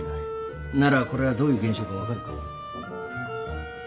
ならこれがどういう現象か分かるか？